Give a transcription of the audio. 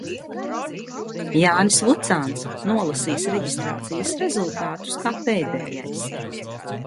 Jānis Vucāns nolasīs reģistrācijas rezultātus kā pēdējais.